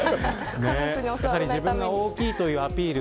自分が大きいというアピール